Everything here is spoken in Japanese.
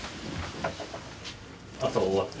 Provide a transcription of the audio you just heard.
朝終わって。